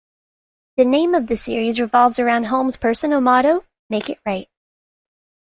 The name of the series revolves around Holmes's personal motto, "Make It Right".